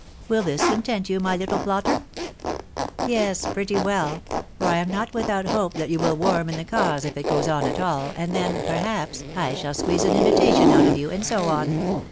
Will this content you, my little plotter ?"" Yes .... pretty well ; for I am not without hope that you will warm in the cause, if it goes on at all, and then, perhaps, I shall squeeze an invitation out of you, and so on.